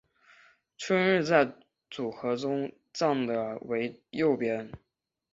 春日在组合中站的位置为右边。